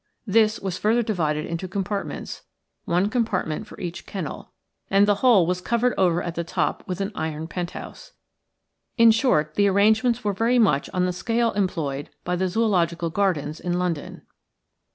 This was further divided into compartments, one compartment for each kennel, and the whole was covered over at the top with an iron penthouse. In short, the arrangements were very much on the scale employed by the Zoological Gardens in London.